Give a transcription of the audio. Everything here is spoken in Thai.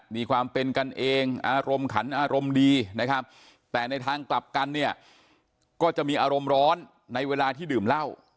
มีความเป็นกันเองอารมณ์ขันอารมณ์ดีนะครับแต่ในทางกลับกันเนี่ยก็จะมีอารมณ์ร้อนในเวลาที่ดื่มเหล้า